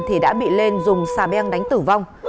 thì đã bị lên dùng xà beng đánh tử vong